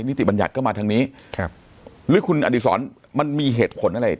ติบัญญัติก็มาทางนี้ครับหรือคุณอดีศรมันมีเหตุผลอะไร